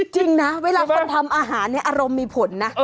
จริงนะเวลาคนทำอาหารเนี่ยอารมณ์มีผลนะ